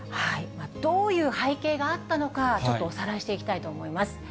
どういう背景があったのか、ちょっとおさらいしていきたいと思います。